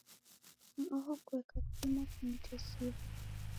Ni oho kueka kudima kunitesia.